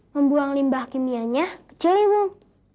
membuang limbah kimianya kecil limbung